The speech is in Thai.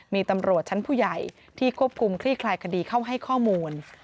มีตำรวจชั้นผู้ใหญ่ที่ควบคุมคลี่คลายคดีเข้าให้ข้อมูล